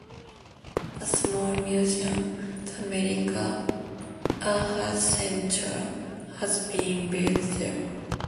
A small museum, the Amelia Earhart Centre, has been built there.